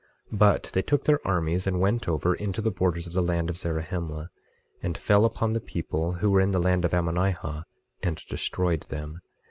25:2 But they took their armies and went over into the borders of the land of Zarahemla, and fell upon the people who were in the land of Ammonihah, and destroyed them.